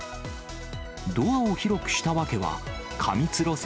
ドアを広くした訳は、過密路線、